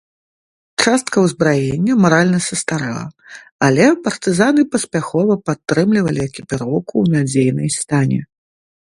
Частка ўзбраення маральна састарэла, але партызаны паспяхова падтрымлівалі экіпіроўку ў надзейнай стане.